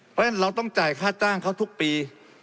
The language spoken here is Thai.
เพราะฉะนั้นเราต้องจ่ายค่าจ้างเขาทุกปี